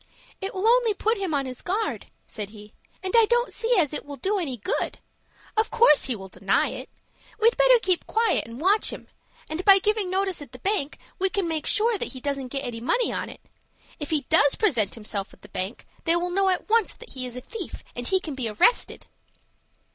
"It will only put him on his guard," said he, "and I don't see as it will do any good. Of course he will deny it. We'd better keep quiet, and watch him, and, by giving notice at the bank, we can make sure that he doesn't get any money on it. If he does present himself at the bank, they will know at once that he is a thief, and he can be arrested."